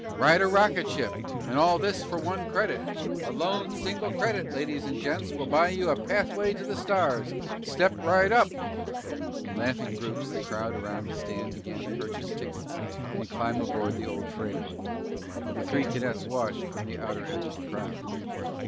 Ride a rocket ship, and all this for one credit! A lone, single credit, ladies and gents, will buy you a pathway to the stars! Step right up " In laughing groups, the crowd around the stand began to purchase tickets and climb aboard the old freighter. The three cadets watched from the outer edge of the crowd.